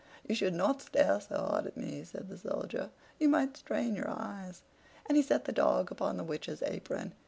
"You should not stare so hard at me," said the Soldier; "you might strain your eyes." And he set the dog upon the Witch's apron.